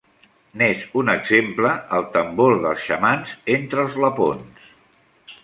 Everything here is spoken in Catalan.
N'és un exemple el tambor dels xamans entre els lapons.